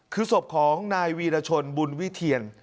คือศพของนายวีรชนบุญวิเทียน